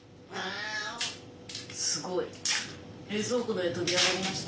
すごい。冷蔵庫の上飛び上がりました。